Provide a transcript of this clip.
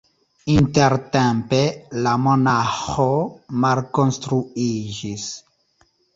Intertempe la monaĥo malkonstruiĝis.